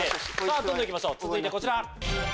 どんどんいきましょう続いてこちら。